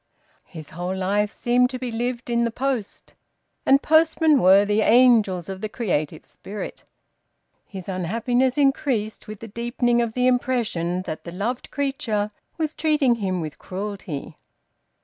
His whole life seemed to be lived in the post, and postmen were the angels of the creative spirit. His unhappiness increased with the deepening of the impression that the loved creature was treating him with cruelty.